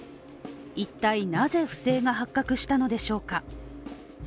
一体なぜ不正が発覚したのでしょうか。